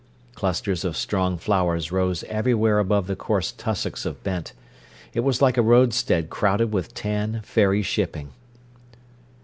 Clusters of strong flowers rose everywhere above the coarse tussocks of bent. It was like a roadstead crowded with tan, fairy shipping.